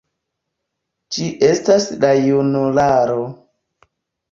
Ĝi estas la junularo.